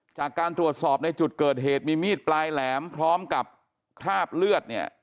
จากการตรวจสอบในจุดเกิดเหตุมีมีดปลายแหลมพร้อมกับคราบเลือดเนี่ย